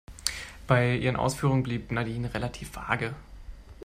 Bei ihren Ausführungen blieb Nadine relativ vage.